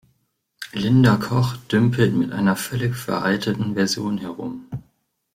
Linda Koch dümpelt mit einer völlig veralteten Version herum.